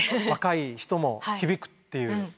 若い人も響くっていう。